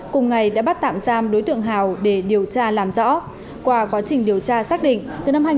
cùng ngày đã bắt tạm giam đối tượng hào để điều tra làm rõ qua quá trình điều tra xác định